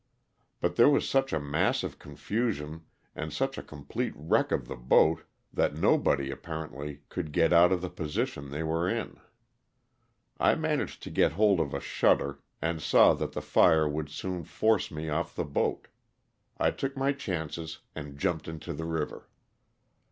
But there was such a mass of confusion and such a com plete wreck of the boat that nobody, apparently, could get out of the position they were in. I managed to get hold of a shutter and saw that the fire would soon force me off of the boat ; I took my chances and jumped into the river.